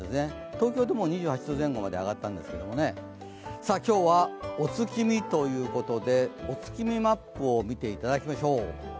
東京でも２８度前後まで上がったんですけど、今日はお月見ということで、お月見マップを見ていただきましょう。